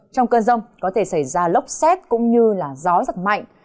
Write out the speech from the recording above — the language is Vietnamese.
trong cơn rông có thể xảy ra lốc xét cũng như gió giật mạnh